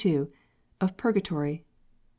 Of Purgatory. 23.